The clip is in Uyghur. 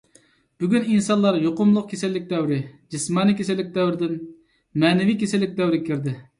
بۈگۈن ئىنسانلار يۇقۇملۇق كېسەللىك دەۋرى، جىسمانىي كېسەللىك دەۋرىدىن مەنىۋى كېسەللىك دەۋرىگە كىردى.